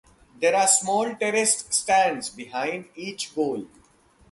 There are small terraced stands behind each goal.